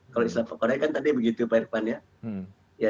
kalau istilah pak kodari kan tadi begitu pak irfan ya